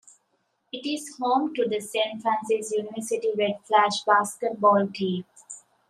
It is home to the Saint Francis University Red Flash basketball team.